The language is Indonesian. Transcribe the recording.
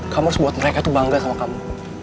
kamu harus buat mereka tuh bangga sama kamu